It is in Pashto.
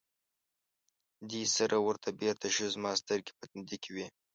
دې سره ور بېرته شو، زما سترګې په تندي کې وې.